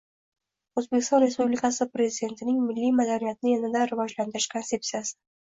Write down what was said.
O‘zbekiston Respublikasi Prezidentining milliy madaniyatni yanada rivojlantirish konsepsiyasi